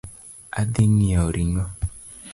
Adhi ng'iewo ring'o